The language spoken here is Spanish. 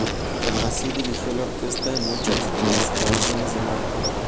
Así, dirigió la orquesta en muchas de las grabaciones de Martin.